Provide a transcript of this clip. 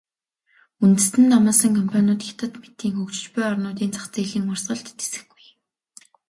Үндэстэн дамнасан компаниуд Хятад мэтийн хөгжиж буй орнуудын зах зээлийн урсгалд тэсэхгүй.